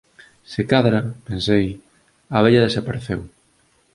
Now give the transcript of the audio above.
Se cadra —pensei— a vella desapareceu.